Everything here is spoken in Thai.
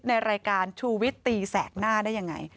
ในรายการชูวิตตีแสกหน้าได้ยังไง